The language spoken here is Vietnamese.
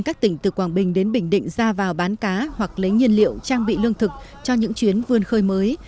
các tỉnh từ quảng bình đến bình định ra vào bán cá hoặc lấy nhiên liệu trang bị lương thực cho những chuyến vươn khơi mới